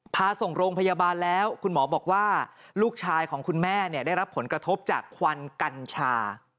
พาส่งโรงพยาบาลแล้วคุณหมอบอกว่าลูกชายของคุณแม่ได้รับผลกระทบจากควันกัญชา